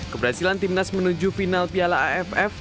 keberhasilan tim nas menuju final piala aff